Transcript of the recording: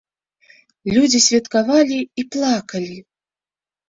Людзі святкавалі і плакалі.